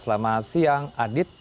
selamat siang adit